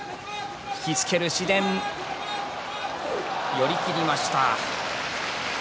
寄り切りました。